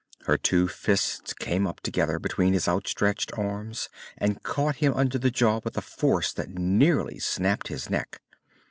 Her two fists came up together between his outstretched arms and caught him under the jaw with a force that nearly snapped his neck.